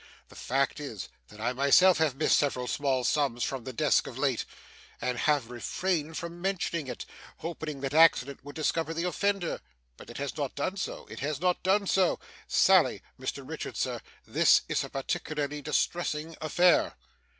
The fact is, that I myself have missed several small sums from the desk, of late, and have refrained from mentioning it, hoping that accident would discover the offender; but it has not done so it has not done so. Sally Mr Richard, sir this is a particularly distressing affair!